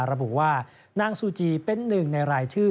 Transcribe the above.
ระบุว่านางซูจีเป็นหนึ่งในรายชื่อ